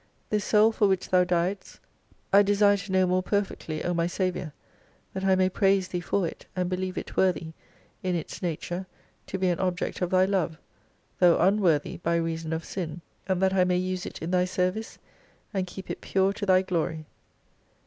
This soul for which Thou diedst, I desire to know more perfectly, O my Saviour, that I may praise Thee for it, and believe it worthy, in its nature, to be an object of Thy love ; though unworthy by reason of sin : and that I may use it in Thy service, and keep it pure to Thy glory.